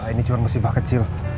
ini cuma musibah kecil